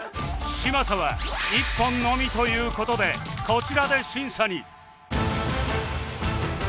嶋佐は１本のみという事でこちらで審査に